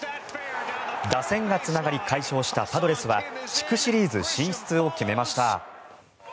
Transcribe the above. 打線がつながり快勝したパドレスは地区シリーズ進出を決めました。